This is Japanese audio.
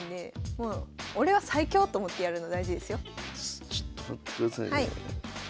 ああちょっと待ってくださいね。